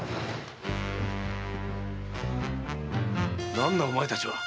何だお前たちは？